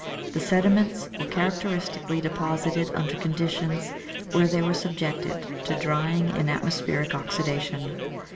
The sediments were characteristically deposited under conditions where they were subjected to drying and atmospheric oxidation.